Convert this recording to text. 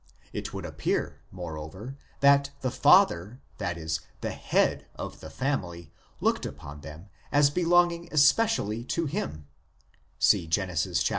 It would appear, moreover, that the father (i.e. the head) of the family looked upon them as belonging especially to him, see Gen. xxxi.